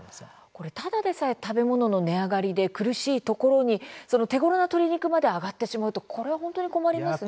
これただでさえ食べ物の値上がりで苦しいところにその手ごろな鶏肉まで上がってしまうとこれは本当に困りますね。